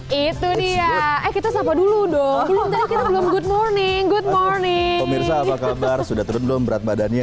hai itu dia kita sapa dulu dong belum belum good morning good morning sudah terlalu berat badannya